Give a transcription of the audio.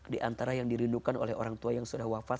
diantara yang dirindukan oleh orang tua yang sudah wafat